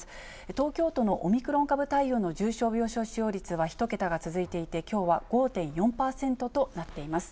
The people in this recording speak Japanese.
東京都のオミクロン株対応の重症病床使用率は１桁が続いていて、きょうは５．４％となっています。